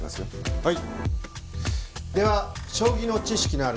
はい！